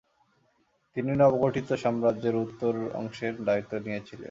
তিনি নবগঠিত সাম্রাজ্যের উত্তরের অংশের দায়িত্বে নিয়েছিলেন।